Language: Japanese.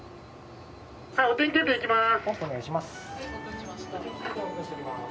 「お天気検定いきます」